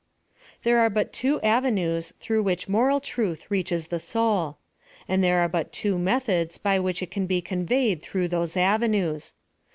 I'here are but two avenues througli which moral truth reaches the soul. And there are but two me thods by which it can be conveyed through tliose avenues.